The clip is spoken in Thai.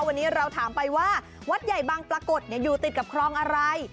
วันนี้เราถามไปว่าวัดใหญ่บางปรากฏอยู่ติดกับคลองอะไร